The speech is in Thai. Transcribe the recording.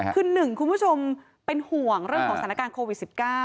คือ๑คุณผู้ชมเป็นห่วงเรื่องของสถานการณ์โควิด๑๙